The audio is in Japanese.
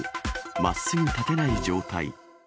まっすぐ立てない状態。